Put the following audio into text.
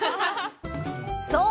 そう！